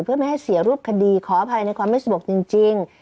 เพื่อไม่ให้เสียรูปคดีขออภัยในความไม่สะดวกจริง